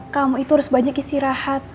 kamu itu harus banyak istirahat